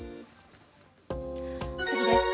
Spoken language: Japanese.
次です。